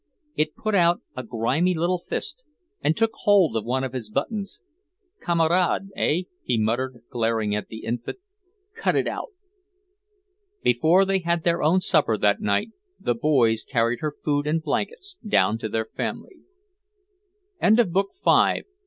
It put out a grimy little fist and took hold of one of his buttons. "Kamerad, eh?" he muttered, glaring at the infant. "Cut it out!" Before they had their own supper that night, the boys carried hot food and blankets down to their family. VIII Four o'clock...